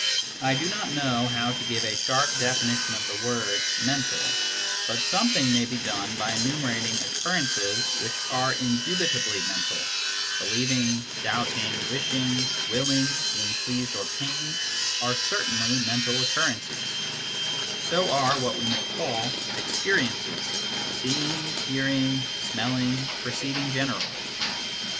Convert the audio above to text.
I do not know how to give a sharp definition of the word " mental," but some thing may be done by enumerating occurrences which are indubitably mental : believing, doubting, wishing, willing, being pleased or pained, are certainly mental occurrences ; so are what we may call experiences, seeing, hearing, smelling, perceiving generally.